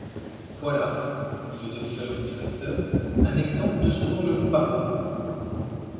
Voilà, dit le docteur au directeur, un exemple de ce dont je vous parlais.